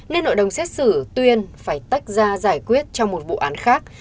nên hội đồng xét xử tuyên phải tách ra giải quyết cho một vụ án khác